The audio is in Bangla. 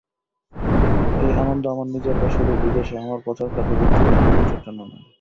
এই আনন্দ, আমার নিজের বা সুদূর বিদেশে আমার প্রচারকার্যের ব্যক্তিগত প্রশংসার জন্য নয়।